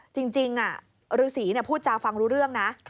จริงฤษีพูดจาฟังรู้เรื่องนะ